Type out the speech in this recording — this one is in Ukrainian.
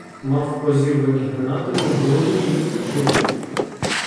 Мав розірвані гранатою груди й живіт.